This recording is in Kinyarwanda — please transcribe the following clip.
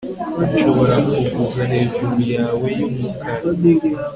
nshobora kuguza hejuru yawe y'umukara